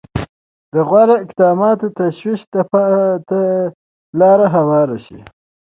د غوره اقداماتو تشویق ته لاره هواره شي.